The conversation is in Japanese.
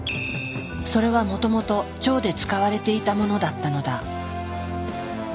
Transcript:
それはもともと腸で使われていたものだったのだ。